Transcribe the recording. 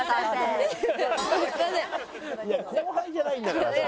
後輩じゃないんだからさ。